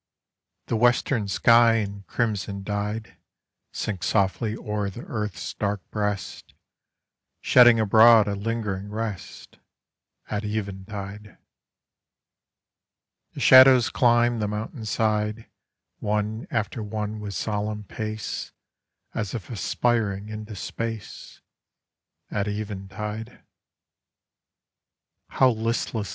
The western sky in crimson dyed Sinks softly o'er the earth's dark breast, Shedding abroad a Hngering rest, At even tide. The shadows climb the mountainside One after one with solemn pace, As if aspiring into space, At even tide. How listlesi.